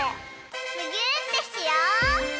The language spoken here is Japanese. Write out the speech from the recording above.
むぎゅーってしよう！